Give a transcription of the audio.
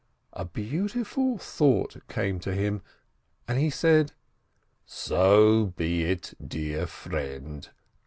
A beautiful thought came to him, and he said : "So be it, dear friend